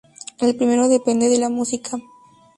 El primero depende de la música.